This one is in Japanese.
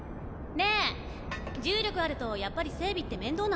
ねえ重力あるとやっぱり整備って面倒なの？